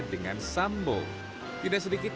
dengan sambo tidak sedikit